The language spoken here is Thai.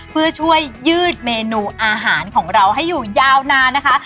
เพื่อช่วยยืดเมนูอาหารของเราให้อยู่ยาวนานนะคะ